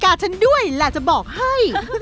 ฉันด้วยแหละจะบอกให้